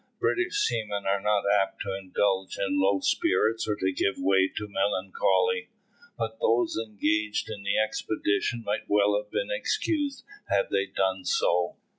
British seamen are not apt to indulge in low spirits or to give way to melancholy, but those engaged in the expedition might well have been excused had they done so.